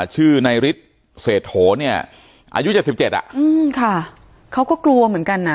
ชื่อในลิจสเททโหนียอายุจะ๑๗อ่ะอืมค่ะเขาก็กลัวเหมือนกันนะ